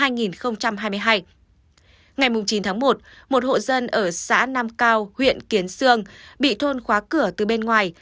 ngày chín tháng một một hộ dân ở xã nam cao huyện kiến sương bị thôn khóa cửa từ bên ngoài